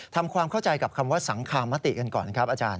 ทำความเข้าใจกับคำว่าสังคมติกันก่อนครับอาจารย์